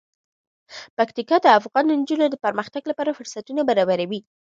پکتیکا د افغان نجونو د پرمختګ لپاره فرصتونه برابروي.